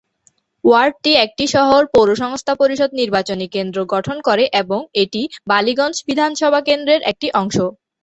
ওয়ার্ডটি একটি শহর পৌরসংস্থা পরিষদ নির্বাচনী কেন্দ্র গঠন করে এবং এটি বালিগঞ্জ বিধানসভা কেন্দ্রর একটি অংশ।